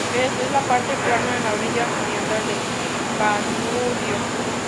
Pest es la parte plana en la orilla oriental del Danubio.